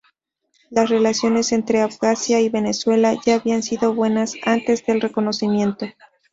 Las relaciones entre Abjasia y Venezuela ya habían sido buenas antes del reconocimiento.